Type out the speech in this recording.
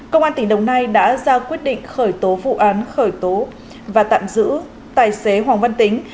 công an tỉnh đồng nai đã ra quyết định khởi tố vụ án khởi tố và tạm giữ tài xế hoàng văn tính